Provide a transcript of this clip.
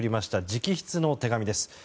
直筆の手紙です。